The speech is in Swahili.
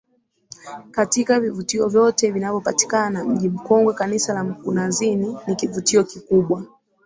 Katika vivutio vyote vinavyopatikana Mji mkongwe Kanisa la mkunazini ni kivutio kikubwa